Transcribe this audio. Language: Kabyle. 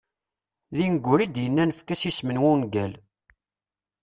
D ineggura i d-yennan efk-as isem n wungal.